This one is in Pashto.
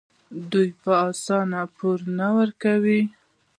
دوی په اسانۍ پور نه ورکوي.